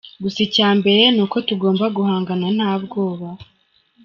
Gusa icya mbere nuko tugomba guhangana nta bwoba.